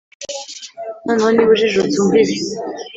noneho niba ujijutse umva ibi,